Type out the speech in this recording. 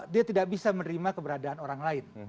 dia tidak bisa menerima keberadaan orang lain